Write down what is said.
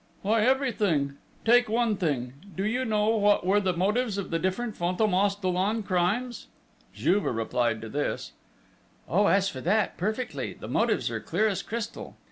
"Why, everything! Take one thing: do you know what were the motives of the different Fantômas Dollon crimes?" Juve replied to this: "Oh, as for that, perfectly! The motives are clear as crystal!...